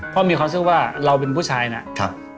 เพราะมีความรู้สึกว่าเราเป็นผู้ชายเนี่ย